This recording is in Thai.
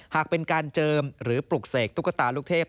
หากเป็นการเจิมหรือปลุกเสกตุ๊กตาลูกเทพ